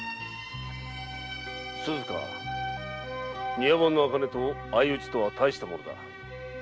庭番の茜と相打ちとは大したものだ。